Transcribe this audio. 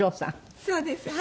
そうですはい。